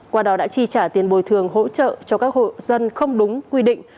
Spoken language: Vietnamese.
qua đó đã chi trả tiền bồi thường hỗ trợ cho các hộ dân không đúng quy định